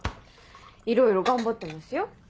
いろいろ頑張ってますよ。